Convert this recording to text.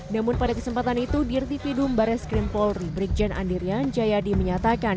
namun pada kesempatan itu dirti pidum barat skrimpol ribrikjen andirian jayadi menyatakan